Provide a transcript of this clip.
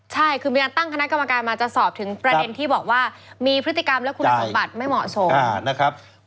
ใช่คือมีการตั้งคณะกรรมการมาจะสอบถึงประเด็นที่บอกว่ามีพฤติกรรมและคุณสมบัติไม่เหมาะสมนะครับ